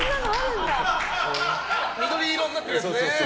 緑色になってるやつね。